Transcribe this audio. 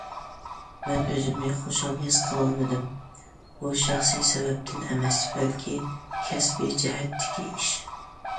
مەن ئۆزۈمنى خۇشال ھېس قىلالمىدىم، بۇ شەخسىي سەۋەبتىن ئەمەس، بەلكى كەسپىي جەھەتتىكى ئىش.